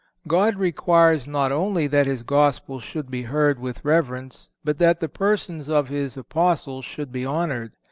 (495) God requires not only that His Gospel should be heard with reverence, but that the persons of His Apostles should be honored.